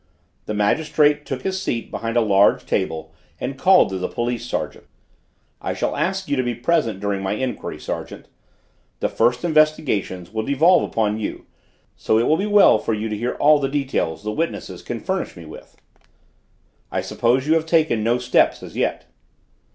The magistrate took his seat behind a large table and called to the police sergeant. "I shall ask you to be present during my enquiry, sergeant. The first investigations will devolve upon you, so it will be well for you to hear all the details the witnesses can furnish me with. I suppose you have taken no steps as yet?"